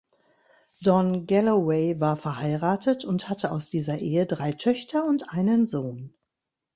Don Galloway war verheiratet und hatte aus dieser Ehe drei Töchter und einen Sohn.